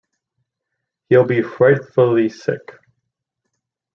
He'll be frightfully sick.